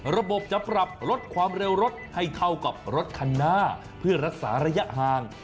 ระบบจะปรับลดความเร็วรถให้เท่ากับรถคันหน้าเพื่อรักษาระยะห่าง